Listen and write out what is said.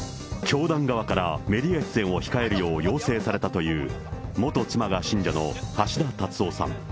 教団側からメディア出演を控えるよう要請されたという、元妻が信者の橋田達夫さん。